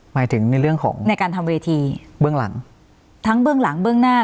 หมายถึงในเรื่องของในการทำเวทีเบื้องหลังทั้งเบื้องหลังเบื้องหน้า